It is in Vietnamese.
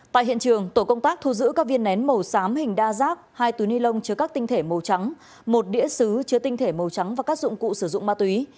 tại hiện trường tổ công tác thu giữ các viên nén màu xám hình đa giác hai túi ni lông chứa các tinh thể màu trắng một đĩa xứ chứa tinh thể màu trắng và các dụng cụ sử dụng ma túy